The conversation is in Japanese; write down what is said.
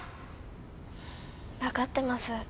分かってます。